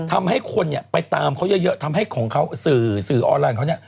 ทำให้คนเนี่ยไปตามเขาเยอะทำให้ของเขาสื่อสื่อออนไลน์เขาเนี่ย